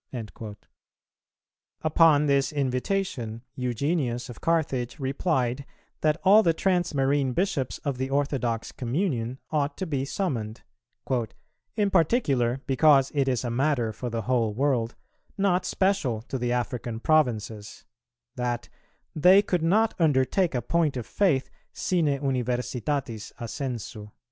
"[281:3] Upon this invitation, Eugenius of Carthage replied, that all the transmarine Bishops of the orthodox communion ought to be summoned, "in particular because it is a matter for the whole world, not special to the African provinces," that "they could not undertake a point of faith sine universitatis assensu."